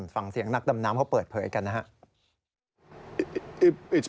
ฟังเสียงนักดำน้ำเขาเปิดเผยกันนะครับ